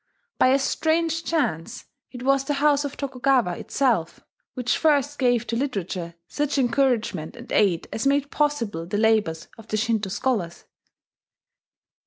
By a strange chance, it was the house of Tokugawa itself which first gave to literature such encouragement and aid as made possible the labours of the Shinto scholars.